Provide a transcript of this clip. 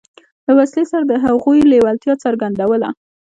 له وسلې سره د هغوی لېوالتیا څرګندوله.